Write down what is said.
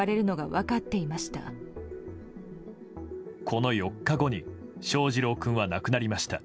この４日後に翔士郎君は亡くなりました。